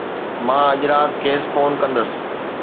مان اڄ رات کيس فون ڪندس.